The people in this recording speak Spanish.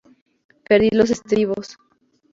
Perdí los estribos.